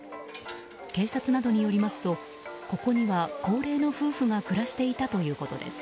警察などによりますとここには高齢の夫婦が暮らしていたということです。